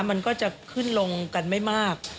มันก็จะขึ้นลงกันไม่มาก